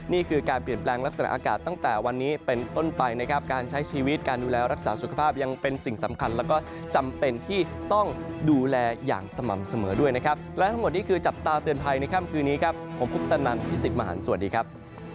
นี่คือการเปลี่ยนแปลงและสนัขอากาศตั้งแต่วันนี้เป็นต้นไปนะครับ